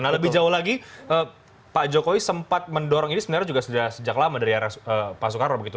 nah lebih jauh lagi pak jokowi sempat mendorong ini sebenarnya juga sudah sejak lama dari arah pak soekarno begitu